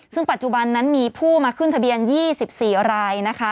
ซึ่งปัจจุบันนั้นมีผู้มาขึ้นทะเบียน๒๔รายนะคะ